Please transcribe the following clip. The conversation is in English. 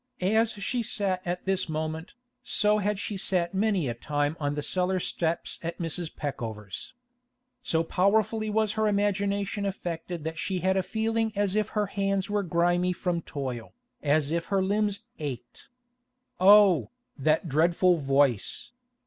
As she sat at this moment, so had she sat many a time on the cellar steps at Mrs. Peckover's. So powerfully was her imagination affected that she had a feeling as if her hands were grimy from toil, as if her limbs ached. Oh, that dreadful voice!